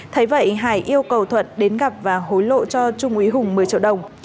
thấy vậy hải yêu cầu thuận đến gặp và hối lộ cho trung úy hùng một mươi triệu đồng